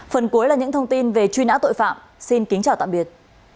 phần cuối là những thông tin về truy nã tội phạm xin kính chào tạm biệt